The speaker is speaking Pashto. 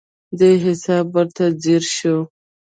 دې حساب ورته ځیر شو.